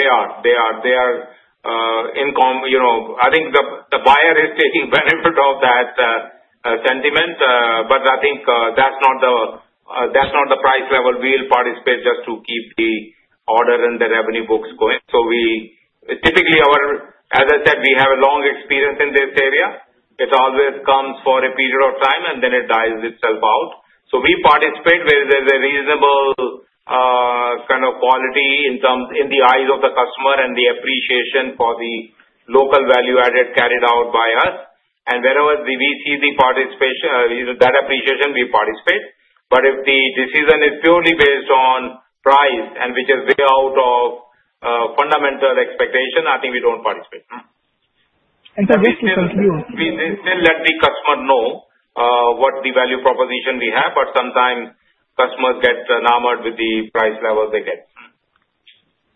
I think the buyer is taking benefit of that sentiment. I think that's not the price level we'll participate just to keep the order and the revenue books going. We typically, as I said, have a long experience in this area. It always comes for a period of time and then it dies itself out. We participate where there's a reasonable kind of quality in terms in the eyes of the customer and the appreciation for the local value added carried out by us. Wherever we see the participation, that appreciation, we participate. If the decision is purely based on price and which is way out of fundamental expectation, I think we don't participate. Sir, which is your view? We still let the customer know what the value proposition we have, but sometimes customers get enamored with the price level they get.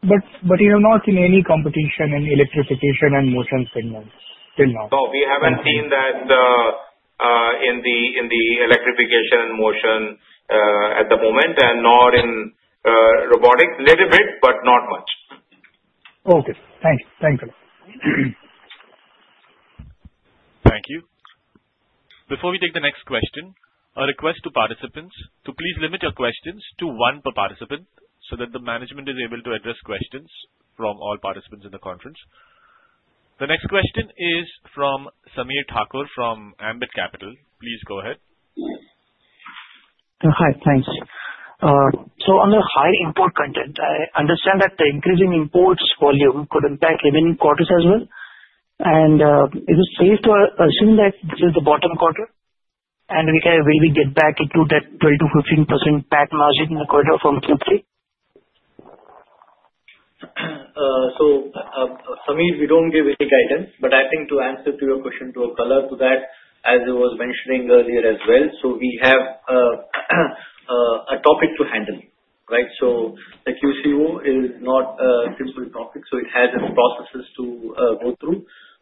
Have you not seen any competition in electrification and motion segments till now? No, we haven't seen that in the electrification and motion at the moment, nor in robotics. A little bit, but not much. Okay, thanks. Thanks a lot. Thank you. Before we take the next question, I request participants to please limit your questions to one per participant so that the management is able to address questions from all participants in the conference. The next question is from Sameer Thakur from Ambit Capital. Please go ahead. Hi, thanks. On the high import content, I understand that the increasing imports volume could impact remaining quarters as well. Is it safe to assume that this is the bottom quarter and we can maybe get back to that 20%-15% pack margin in the quarter from Q3? Sameer, we don't give any guidance, but I think to answer your question, to add a color to that, as I was mentioning earlier as well, we have a topic to handle, right? The QCO compliance is not a simple topic. It has its processes to go through.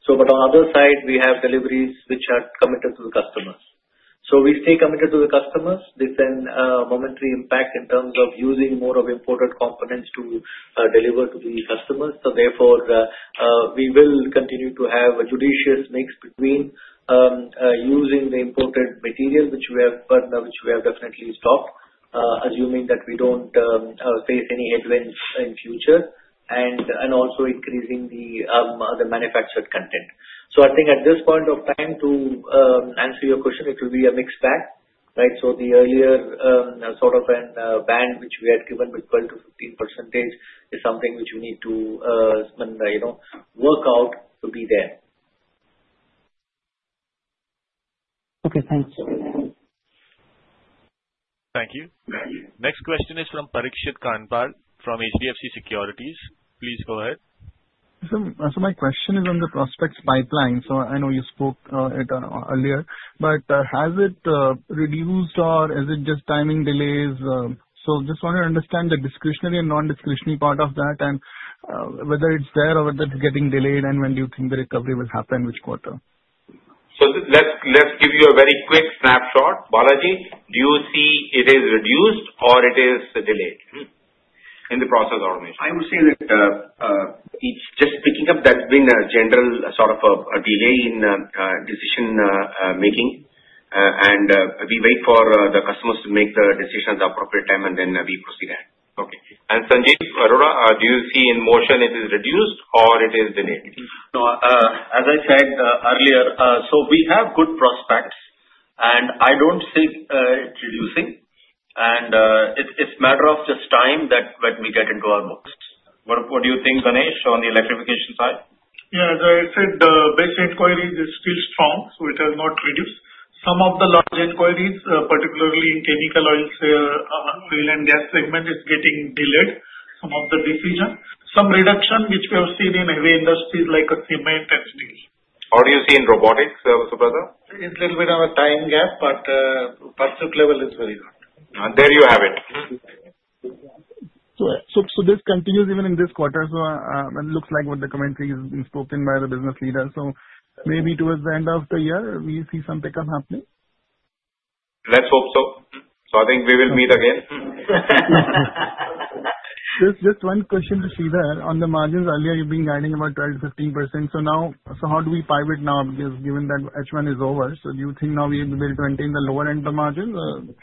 On the other side, we have deliveries which are committed to the customers. We stay committed to the customers. There is a momentary impact in terms of using more of imported components to deliver to the customers. Therefore, we will continue to have a judicious mix between using the imported material, which we have, but which we have definitely stopped, assuming that we don't face any headwinds in the future, and also increasing the other manufactured content. At this point of time, to answer your question, it would be a mixed bag, right? The earlier sort of a band which we had given with 12%-15% is something which we need to, you know, work out to be there. Okay, thanks. Thank you. Next question is from Parikshit Kandpal from HDFC Securities. Please go ahead. My question is on the prospects pipeline. I know you spoke it earlier, but has it reduced or is it just timing delays? I just want to understand the discretionary and non-discretionary part of that and whether it's there or whether it's getting delayed and when do you think the recovery will happen in which quarter? Let's give you a very quick snapshot. Balaji, do you see it is reduced or it is delayed in the process automation? I would say that it's just picking up. There's been a general sort of a delay in decision-making. We wait for the customers to make the decisions at the appropriate time, and then we proceed ahead. Okay. Sanjeev Arora, do you see in motion it is reduced or it is delayed? As I said earlier, we have good prospects, and I don't see it reducing. It's a matter of just time that when we get into our motions. What do you think, Ganesh, on the electrification side? Yeah, as I said, the base inquiries are still strong, so it has not reduced. Some of the longer inquiries, particularly in chemical, oils, oil and gas segment, is getting delayed, some of the decision. Some reduction, which we have seen in heavy industries like cement and steel. What do you see in robotics, Subrata? It's a little bit of a time gap, but the percentage level is very good. There you have it. This continues even in this quarter. It looks like what the commentary is spoken by the business leader. Maybe towards the end of the year, we see some pickup happening. Let's hope so. I think we will meet again. Yes, yes. Just one question to Sridhar. On the margins earlier, you've been guiding about 12%-15%. Now, how do we pivot now, just given that H1 is over? Do you think now we will be able to maintain the lower end of the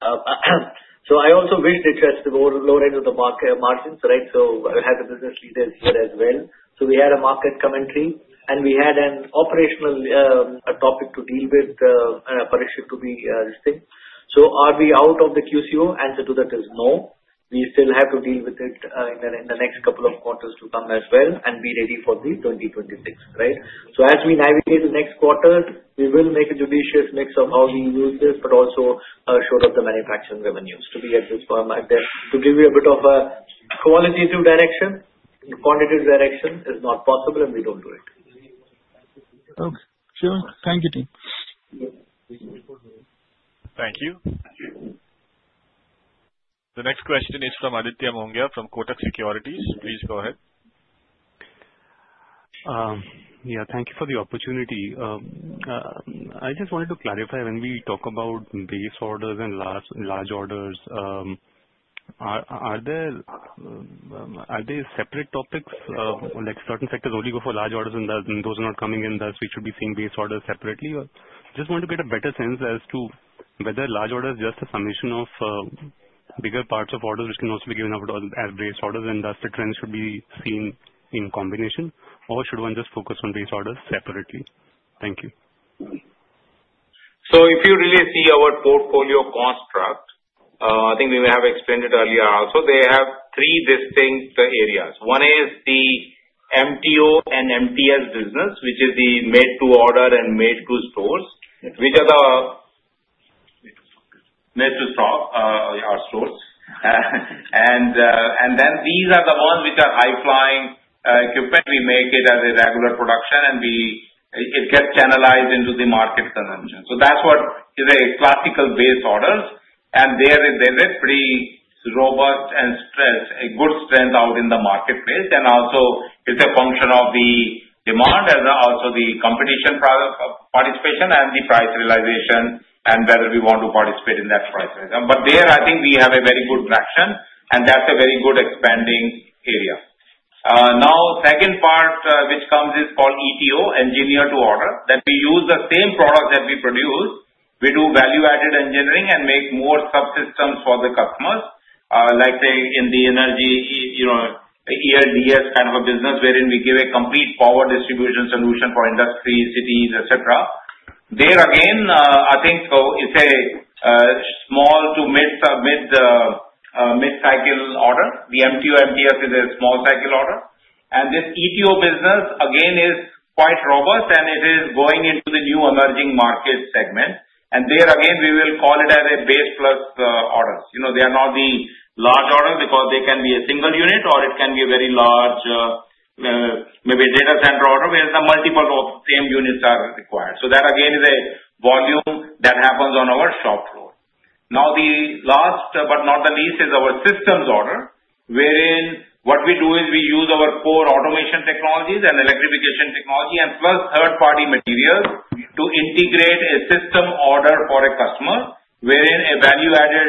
margins? I also wish this was the lower end of the margins, right? I have the business leaders do it as well. We had a market commentary, and we had an operational topic to deal with, and a prediction to be listed. Are we out of the QCO? The answer to that is no. We still have to deal with it in the next couple of quarters to come as well and be ready for 2026, right? As we navigate the next quarter, we will make a judicious mix of how we use this, but also showed up the manufacturing revenues to be at this point. To give you a bit of a qualitative direction, the quantitative direction is not possible, and we don't do it. Okay. Sure. Thank you, team. Thank you. The next question is from Aditya Mongia from Kotak Securities. Please go ahead. Thank you for the opportunity. I just wanted to clarify, when we talk about base orders and large orders, are they separate topics? Like certain sectors only go for large orders, and those are not coming, and thus we should be seeing base orders separately? I just want to get a better sense as to whether large orders are just a summation of bigger parts of orders, which can also be given up with base orders, and thus the trends should be seen in combination, or should one just focus on base orders separately? Thank you. If you really see our portfolio construct, I think we may have explained it earlier also, they have three distinct areas. One is the MTO and MTS business, which is the made-to-order and made-to-stores, which are the made-to-store stores. These are the ones which are high-flying equipment. We make it as a regular production, and it gets channelized into the market convention. That's what is a classical base orders. Therein, it's pretty robust and shows a good strength out in the marketplace. It's a function of the demand and also the competition product of participation and the price realization and whether we want to participate in that price organization. There, I think we have a very good connection, and that's a very good expanding area. The second part which comes is called ETO, engineered to order, that we use the same products that we produce. We do value-added engineering and make more subsystems for the customers, let's say in the energy, you know, ELDF kind of a business wherein we give a complete power distribution solution for industry, cities, etc. There again, I think it's a small to mid-cycle order. The MTO/MTS is a small cycle order. This ETO business again is quite robust, and it is going into the new emerging market segment. There again, we will call it as a base plus orders. They are not the large orders because they can be a single unit or it can be a very large, maybe data center order where the multiple of the same units are required. That again is a volume that happens on our shop floor. The last but not the least is our systems order, wherein what we do is we use our core automation technologies and electrification technology as well as third-party materials to integrate a system order for a customer wherein a value-added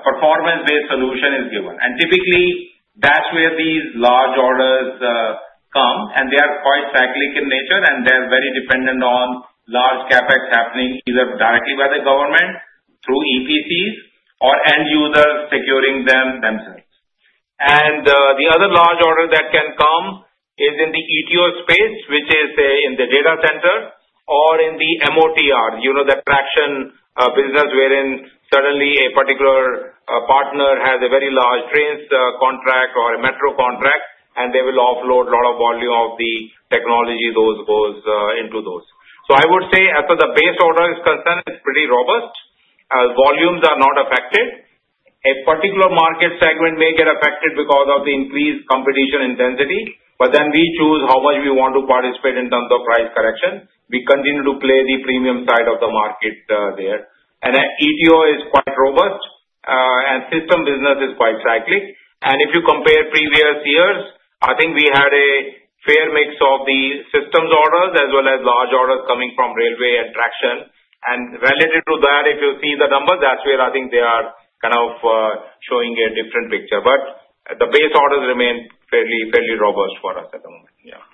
performance-based solution is given. Typically, that's where these large orders come, and they are quite cyclic in nature, and they're very dependent on large CapEx happening either directly by the government through EPCs or end users securing them themselves. The other large order that can come is in the ETO space, which is say in the data center or in the MOTR, you know, the traction business wherein suddenly a particular partner has a very large trace contract or a metro contract, and they will offload a lot of volume of the technology into those. I would say as to the base order is concerned, it's pretty robust. The volumes are not affected. A particular market segment may get affected because of the increased competition intensity, but we choose how much we want to participate in terms of price correction. We continue to play the premium side of the market there. ETO is quite robust, and system business is quite cyclic. If you compare previous years, I think we had a fair mix of the systems orders as well as large orders coming from railway and traction. Related to that, if you see the numbers, that's where I think they are kind of showing a different picture. The base orders remain fairly, fairly robust for us at the moment. Yeah.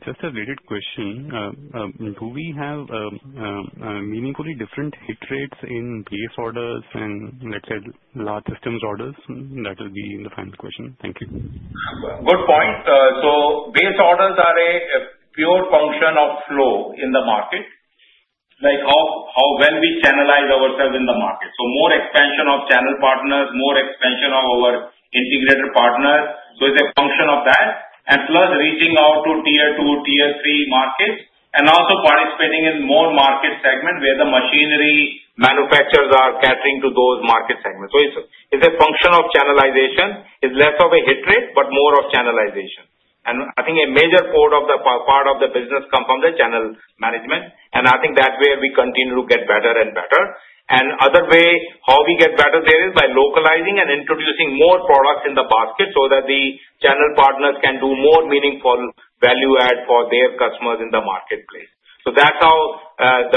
Just a related question. Do we have meaningfully different hit rates in base orders and, let's say, large systems orders? That will be the final question. Thank you. Good point. Base orders are a pure function of flow in the market, like how we channelize ourselves in the market. More expansion of channel partners, more expansion of our integrated partners, it's a function of that, plus reaching out to tier 2 and tier 3 markets, and also participating in more market segments where the machinery manufacturers are catering to those market segments. It's a function of channelization. It's less of a hit rate, but more of channelization. I think a major part of the business comes from the channel management. I think that's where we continue to get better and better. The other way we get better there is by localizing and introducing more products in the market so that the channel partners can do more meaningful value add for their customers in the marketplace. That's how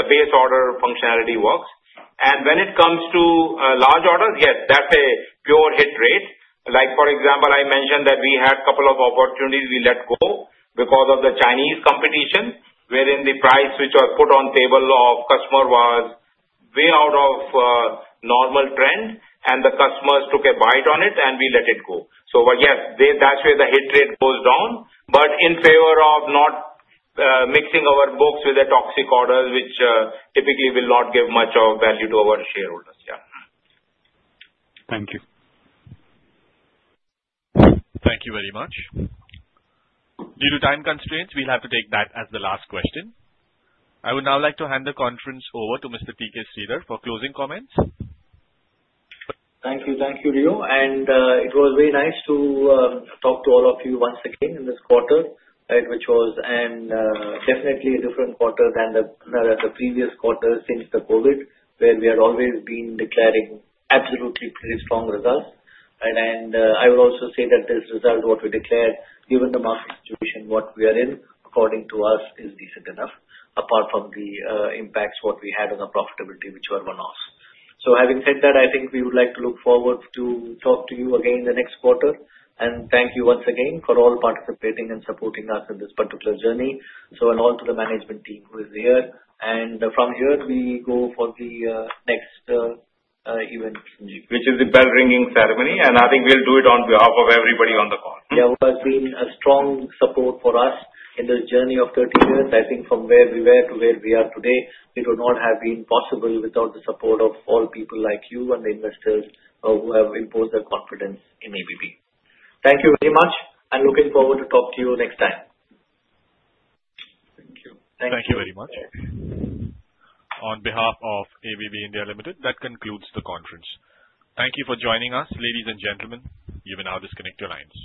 the base order functionality works. When it comes to large orders, yes, that's a pure hit rate. For example, I mentioned that we had a couple of opportunities we let go because of the Chinese competition, wherein the price which was put on the table of customers was way out of a normal trend, and the customers took a bite on it, and we let it go. That's where the hit rate goes down, but in favor of not mixing our books with a toxic order, which typically will not give much value to our shareholders. Yeah. Thank you. Thank you very much. Due to time constraints, we'll have to take that as the last question. I would now like to hand the conference over to Mr. Sridhar for closing comments. Thanks, and thanks to Rayo. It was very nice to talk to all of you once again in this quarter, which was definitely a different quarter than the previous quarter since COVID, where we had always been declaring absolutely pretty strong results. I would also say that this result, what we declared, given the market situation we are in, according to us, is decent enough, apart from the impacts we had on the profitability, which were one-offs. Having said that, I think we would like to look forward to talk to you again in the next quarter. Thank you once again for all participating and supporting us in this particular journey, and to the management team who is here. From here, we go for the next event. This is the bell ringing ceremony. I think we'll do it on behalf of everybody on the call. Yeah, who has been a strong support for us in this journey of 30 years. I think from where we were to where we are today, it would not have been possible without the support of all people like you and the investors who have imposed their confidence in ABB. Thank you very much. I'm looking forward to talking to you next time. Thank you very much. On behalf of ABB India Limited, that concludes the conference. Thank you for joining us, ladies and gentlemen. You may now disconnect your lines.